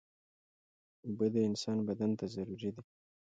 اوبه د انسان بدن ته ضروري دي.